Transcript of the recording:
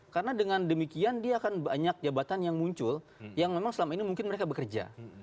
karena dengan demikian dia akan banyak jabatan yang muncul yang memang selama ini mungkin mereka bekerja